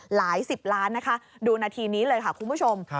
หลายสิบล้านนะคะดูนาทีนี้เลยค่ะคุณผู้ชม